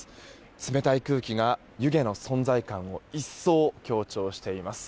冷たい空気が湯気の存在感を一層、強調しています。